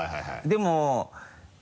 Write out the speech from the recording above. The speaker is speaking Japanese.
でも。